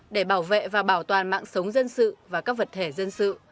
để bảo vệ và bảo toàn mạng sống dân sự và các vật thể dân sự